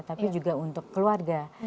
tapi juga untuk keluarga